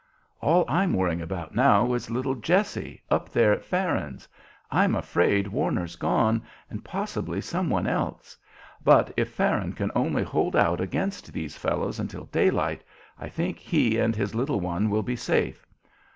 "All I'm worrying about now is little Jessie, up there at Farron's. I'm afraid Warner's gone, and possibly some one else; but if Farron can only hold out against these fellows until daylight I think he and his little one will be safe.